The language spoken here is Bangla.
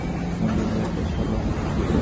এমন বেগে কহিল, সে কথা ঘরের মধ্যে গিয়া পৌঁছিল।